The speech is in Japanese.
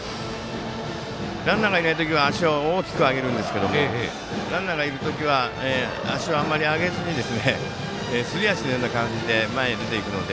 ランナーがいない時は足を大きく上げるんですがランナーがいる時は足をあまり上げずにすりあしのような感じで前に出ていくので。